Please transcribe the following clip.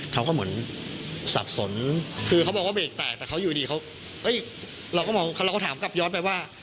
เขาก็เหมือนสับสนคือเขาบอกว่าเบรกแตกแต่เขาอยู่ดีเขาเราก็มองเราก็ถามกลับย้อนไปว่า